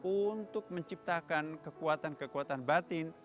untuk menciptakan kekuatan kekuatan batin